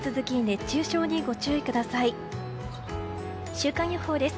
週間予報です。